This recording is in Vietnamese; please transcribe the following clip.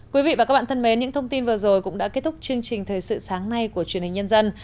quý vị và các bạn thân mến những thông tin vừa rồi cũng đã kết thúc chương trình thời sự sáng nay của truyền hình nhân dân